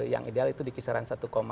yang ideal itu dikisaran satu lima